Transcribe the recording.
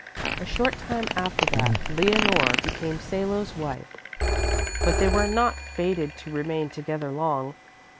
A short time after that Leonore became Salo's wife, but they were not fated to remain together long.